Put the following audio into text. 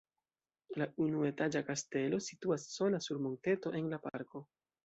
La unuetaĝa kastelo situas sola sur monteto en la parko.